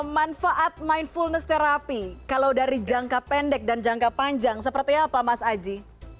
manfaat mindfulness terapi kalau dari jangka pendek dan jangka panjang seperti apa mas aji